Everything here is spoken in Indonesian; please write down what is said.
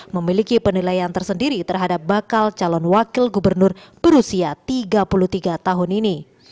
memiliki penilaian tersendiri terhadap bakal calon wakil gubernur berusia tiga puluh tiga tahun ini